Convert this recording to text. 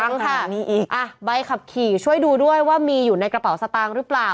ยังค่ะมีอีกอ่ะใบขับขี่ช่วยดูด้วยว่ามีอยู่ในกระเป๋าสตางค์หรือเปล่า